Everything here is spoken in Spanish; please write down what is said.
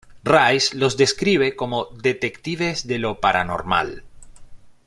Rice los describe como "Detectives de lo paranormal".